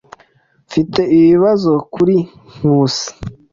Mfite ibibazo kuri Nkusi.